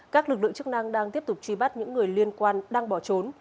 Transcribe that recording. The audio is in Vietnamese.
các lực lượng chức năng đang tiếp tục truy bắt những người liên quan đang bỏ trốn